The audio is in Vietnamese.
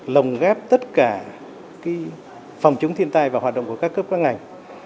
lồng ghép tất cả phòng chống thiên tai và hoạt động của các cấp các ngành